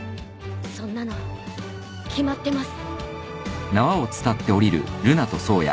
そんなの決まってます。